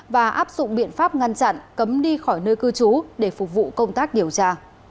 và áp dụng biện pháp ngăn chặn cấm đi khỏi nơi cư trú để phục vụ công tác điều tra